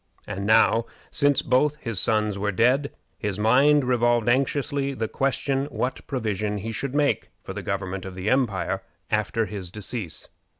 And now, since both his sons were dead, his mind revolved anxiously the question what provision he should make for the government of the empire after his decease.